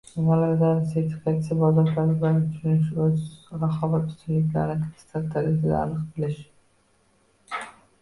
Nimalar zarur: sertifikatsiya, bozor talablarini tushunish, o‘z raqobat ustunliklarini kristall darajada aniq bilish